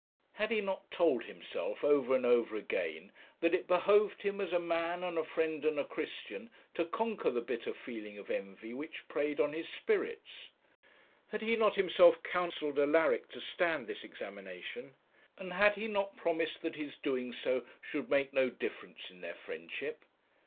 Had he not told himself, over and over again, that it behoved him as a man and a friend and a Christian to conquer the bitter feeling of envy which preyed on his spirits? Had he not himself counselled Alaric to stand this examination? and had he not promised that his doing so should make no difference in their friendship?